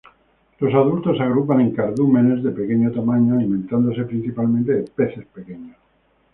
Los adultos se agrupan en cardúmenes de pequeño tamaño, alimentándose principalmente de peces pequeños.